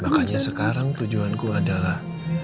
makanya sekarang tujuanku adalah